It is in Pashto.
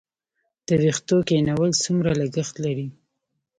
د ویښتو کینول څومره لګښت لري؟